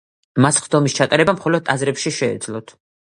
მათ სხდომის ჩატარება მხოლოდ ტაძრებში შეეძლოთ.